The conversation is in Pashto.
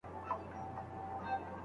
انسان نه سي کولای بشپړ قوانین جوړ کړي.